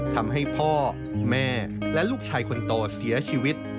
ทำให้พ่อแม่และลูกชายคนโตเสียชีวิต